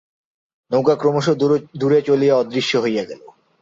নৌকা ক্রমশ দূরে চলিয়া অদৃশ্য হইয়া গেল।